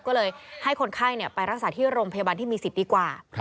ก็เลยให้คนไข้ไปรักษาที่โรงพยาบาลที่มีสิทธิ์ดีกว่า